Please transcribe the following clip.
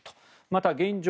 また、現状